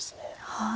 はい。